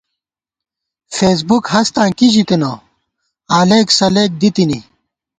فېسبُک ہستاں کی ژِتِنہ، علَئیک سلَئیک دی تِنی